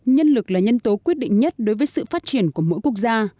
nhân lực là nhân tố quyết định nhất đối với sự phát triển của mỗi quốc gia